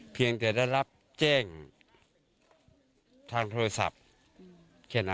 เพียงแต่ได้รับแจ้งทางโทรศัพท์แค่นั้น